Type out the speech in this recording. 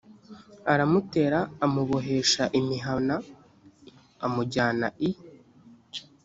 aramutera amubohesha imihana amujyana i